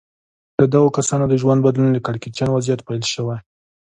د دغو کسانو د ژوند بدلون له کړکېچن وضعيت پيل شوی.